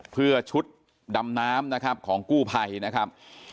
เพื่อชุดดำน้ำนะครับของกู้ภัยนะครับ